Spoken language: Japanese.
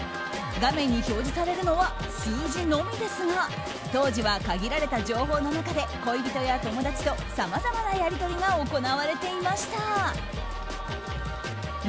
画面に表示されるのは数字のみですが当時は限られた情報の中で恋人や友達とさまざまなやりとりが行われていました。